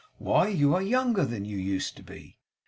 'Why, you are younger than you used to be!